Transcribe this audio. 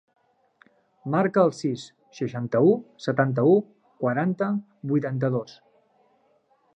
Marca el sis, seixanta-u, setanta-u, quaranta, vuitanta-dos.